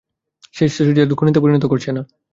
সে Shadysider দের খুনিতে পরিনত করছে না।